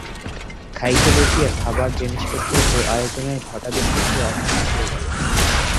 খাইতে বসিয়া খাবার জিনিসপত্র ও আয়োজনের ঘটা দেখিয়া সে অবাক হইয়া গেল।